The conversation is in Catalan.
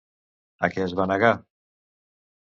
A què es va negar?